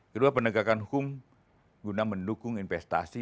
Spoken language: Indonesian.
kedua penegakan hukum guna mendukung investasi